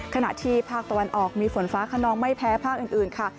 ขณะที่ภาคตะวันออกมีฝนฟ้าขนองไม่แพ้ภาคอื่นค่ะ